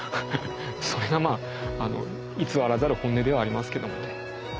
それが偽らざる本音ではありますけどもね。